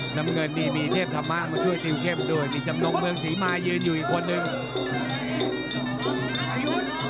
น้ำเงินนี่มีเทพธรรมะมาช่วยติวเข้มด้วยมีจำนงเมืองศรีมายืนอยู่อีกคนนึง